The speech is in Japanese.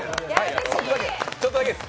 ちょっとだけです。